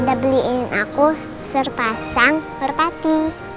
udah beliin aku serpasang merpati